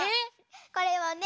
これはね